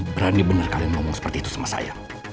berani benar kalian ngomong seperti itu sama saya